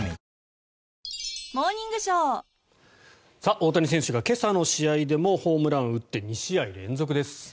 大谷選手が今朝の試合でもホームランを打って２試合連続です。